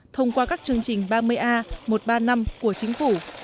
thông qua các chương trình ba mươi a một trăm ba mươi năm của chính phủ